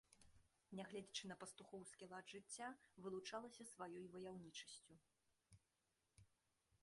Нягледзячы на пастухоўскі лад жыцця, вылучалася сваёй ваяўнічасцю.